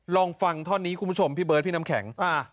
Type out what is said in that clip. ลองฟังท่อนนี้คุณผู้ชมพี่เบิร์ดพี่น้ำแข็ง